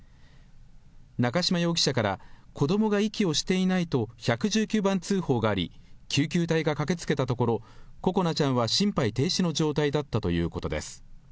中島容疑者から、子どもが息をしていないと、１１９番通報があり、救急隊が駆けつけたところ、心絆ちゃんは心肺停止の状態だったということです。